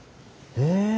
へえ。